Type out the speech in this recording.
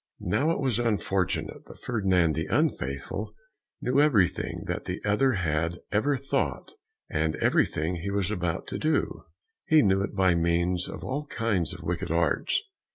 Now it was unfortunate that Ferdinand the Unfaithful knew everything that the other had ever thought and everything he was about to do; he knew it by means of all kinds of wicked arts.